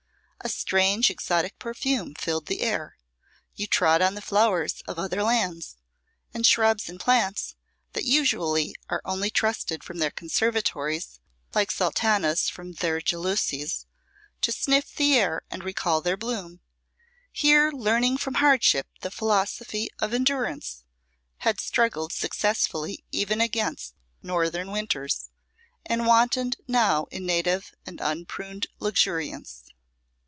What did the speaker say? A strange exotic perfume filled the air: you trod on the flowers of other lands; and shrubs and plants, that usually are only trusted from their conservatories, like sultanas from their jalousies, to sniff the air and recall their bloom, here learning from hardship the philosophy of endurance, had struggled successfully even against northern winters, and wantoned now in native and unpruned luxuriance.